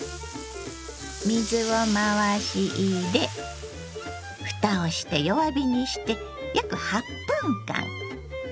水を回し入れ蓋をして弱火にして約８分間。